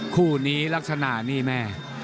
คู่นี้ลักษณะนี่แม่